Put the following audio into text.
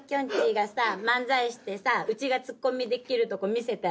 がさ漫才してさうちがツッコミできるとこ見せてあげる。